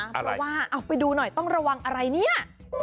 เพราะว่าเอาไปดูหน่อยต้องระวังอะไรเนี่ย